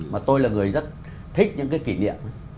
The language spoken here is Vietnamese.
mà tôi là người rất thích những cái kỷ niệm